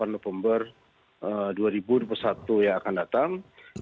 dua puluh november dua ribu dua puluh satu yang akan datang